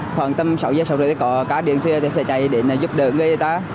khoảng sáu h sáu h có cá điện thì phải chạy để giúp đỡ người ta